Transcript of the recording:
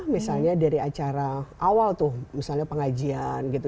misalnya dari acara awal tuh misalnya pengajian gitu